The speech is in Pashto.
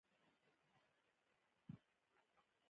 دغو بنسټونو د اقتصادي پراختیا لپاره اساسات رامنځته کړل.